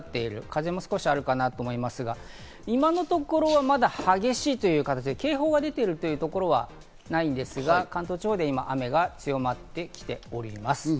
風も少しあるかなと思いますが、今のところまだ激しいという感じで、警報が出ているところはないんですが、関東地方で今、雨が強まってきております。